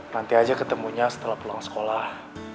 nanti aja ketemunya setelah pulang sekolah